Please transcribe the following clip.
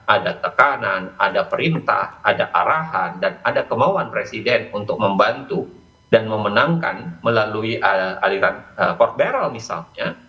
ada tekanan ada perintah ada arahan dan ada kemauan presiden untuk membantu dan memenangkan melalui aliran court barrel misalnya